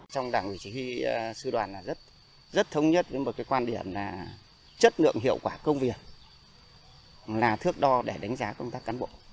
trong đảng ủy chỉ huy sư đoàn là rất thống nhất với một cái quan điểm là chất lượng hiệu quả công việc là thước đo để đánh giá công tác cán bộ